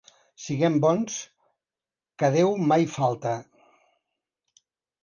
Siguem bons, que Déu mai falta.